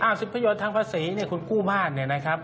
อ้าวสิทธิประโยชน์ทางภาษีคุณกู้บ้านนี่นะครับ